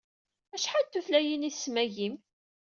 Acḥal n tutlayin ay tesmagim?